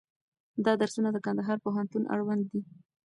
دا درسونه د کندهار پوهنتون اړوند دي.